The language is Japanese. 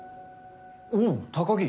おぉ高木